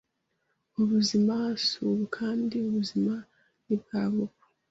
Ubuzima si ubu Kandi ubuzima ntibwaba ubu